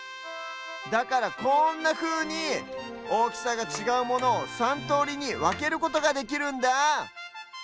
だからこんなふうにおおきさがちがうものを３とおりにわけることができるんだ！